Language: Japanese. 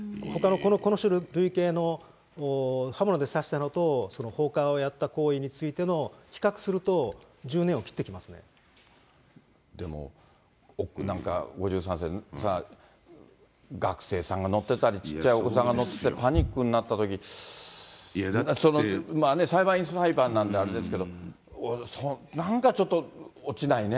この類型の刃物で刺したのと、放火をやった行為についての比較すでも、なんか５３世、学生さんが乗ってたり、ちっちゃいお子さんが乗ってたり、パニックになったとき、裁判員裁判なんであれですけど、なんかちょっと落ちないね。